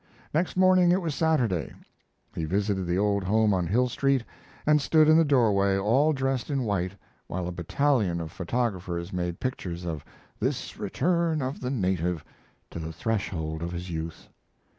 Next morning it was Saturday he visited the old home on Hill Street, and stood in the doorway all dressed in white while a battalion of photographers made pictures of "this return of the native" to the threshold of his youth.